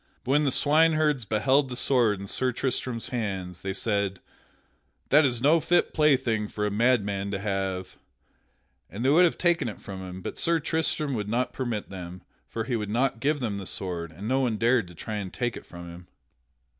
But when the swineherds beheld the sword in Sir Tristram's hands, they said, "That is no fit plaything for a madman to have," and they would have taken it from him, but Sir Tristram would not permit them, for he would not give them the sword, and no one dared to try to take it from him.